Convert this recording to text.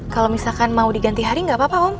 kalau misalkan mau diganti hari nggak apa apa om